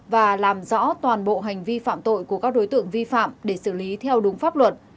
và làm rõ toàn bộ hành vi phạm tội của các đối tượng vi phạm để xử lý theo đúng pháp luật